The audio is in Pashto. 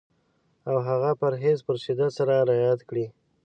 او هغه پرهېز په شدت سره رعایت کړي.